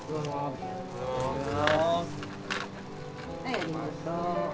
はいありがとう。